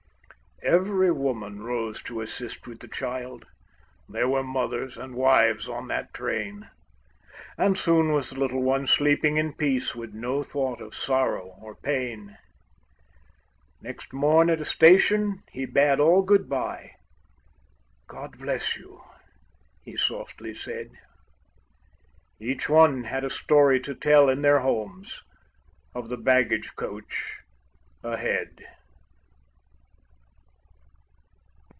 Every woman arose to assist with the child; There were mothers and wives on that train. And soon was the little one sleeping in peace, With no thought of sorrow or pain. Next morn at a station he bade all goodbye, "God bless you," he softly said, Each one had a story to tell in their homes Of the baggage coach ahead.